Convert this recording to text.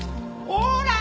ほら！